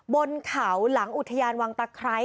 บนเขาหลังอุทยานวังตะไคร้